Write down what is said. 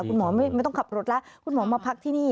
คุณหมอไม่ต้องขับรถแล้วคุณหมอมาพักที่นี่